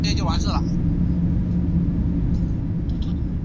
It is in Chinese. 方解吾担任该学堂的首任校长。